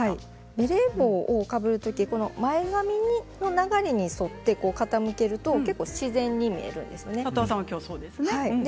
ベレー帽をかぶる時前髪に流れに沿って傾けると結構、自然に見えるんですね。